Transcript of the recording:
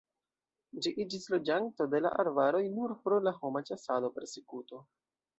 Ĝi iĝis loĝanto de la arbaroj nur pro la homa ĉasado, persekuto.